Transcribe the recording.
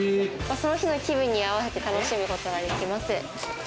その日の気分に合わせて楽しむことができます。